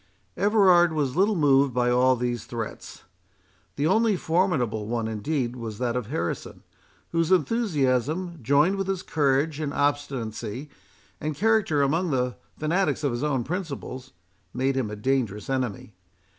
Everard was little moved by all these threats. The only formidable one, indeed, was that of Harrison, whose enthusiasm, joined with his courage, and obstinacy, and character among the fanatics of his own principles, made him a dangerous enemy.